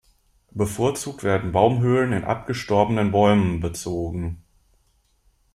Bevorzugt werden Baumhöhlen in abgestorbenen Bäumen bezogen.